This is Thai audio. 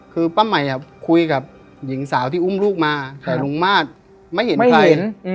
คือป้าใหม่คุยกับหญิงสาวที่อุ้มลูกมาแต่ลุงมาตรไม่เห็นใคร